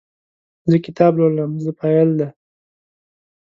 زه کتاب لولم – "زه" فاعل دی.